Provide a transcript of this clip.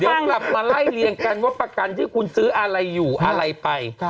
เดี๋ยวกลับมาไล่เรียงกันว่าประกันที่คุณซื้ออะไรอยู่อะไรไป